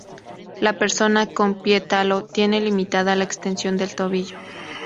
La persona con Pie Talo tiene limitada la extensión del tobillo.